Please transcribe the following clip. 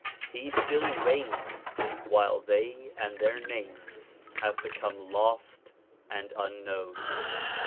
He still reigns while they and their names have become lost and unknown.